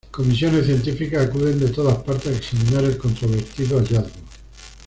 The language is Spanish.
Comisiones científicas acuden de todas partes a examinar el controvertido hallazgo.